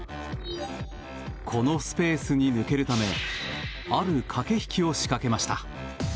このスペースに抜けるためある駆け引きを仕掛けました。